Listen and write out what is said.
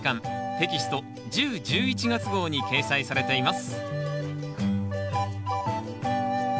テキスト１０・１１月号に掲載されています